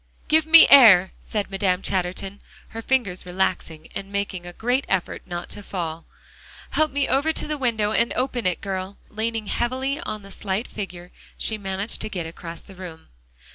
"Give me air," said Madame Chatterton, her fingers relaxing, and making a great effort not to fall. "Help me over to the window, and open it, girl" and leaning heavily on the slight figure, she managed to get across the room.